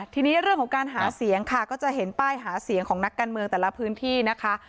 ทีนี้เรื่องของการหาเสียงค่ะก็จะเห็นป้ายหาเสียงของนักการเมืองแต่ละพื้นที่นะคะ